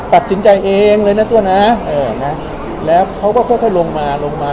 ตัดสินใจเองเลยนะตัวนะเออนะแล้วเขาก็ค่อยค่อยลงมาลงมา